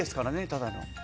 ただの。